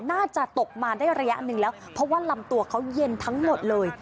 น่าจะตกมาได้ระยะหนึ่งแล้วเพราะว่าลำตัวเขาเย็นทั้งหมดเลย